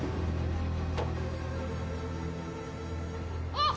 あっ！